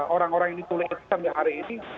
orang orang yang ditulis sampai hari ini